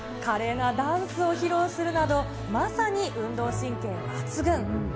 華麗なダンスを披露するなど、まさに運動神経抜群。